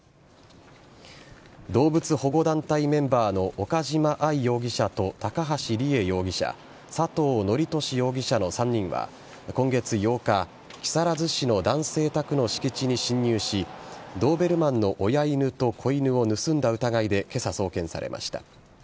動物保護団体メンバーの岡島愛容疑者と高橋里衣容疑者佐藤徳寿容疑者の３人は今月８日木更津市の男性宅の敷地に侵入しドーベルマンの親犬と子犬を盗んだ疑いで今朝送検されました。